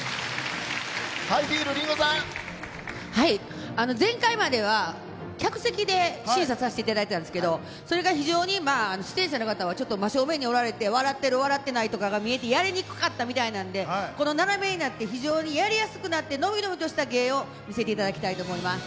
はい前回までは客席で審査さしていただいてたんですけどそれが非常にまあ出演者の方はちょっと真正面におられて笑ってる笑ってないとかが見えてやりにくかったみたいなんでこの斜めになって非常にやりやすくなって伸び伸びとした芸を見せていただきたいと思います。